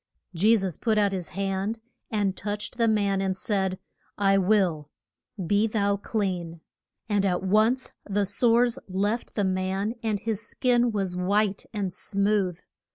] Je sus put out his hand and touched the man, and said, I will: be thou clean. And at once the sores left the man and his skin was white and smooth.